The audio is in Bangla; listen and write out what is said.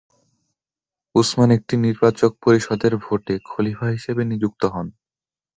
উসমান একটি নির্বাচক পরিষদের ভোটে খলিফা হিসেবে নিযুক্ত হন।